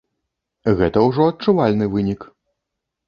Гэта ўжо адчувальны вынік.